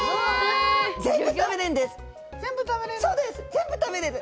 全部食べれる！